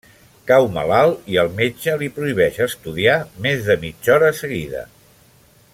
Cau malalt i el metge li prohibeix estudiar més de mitja hora seguida.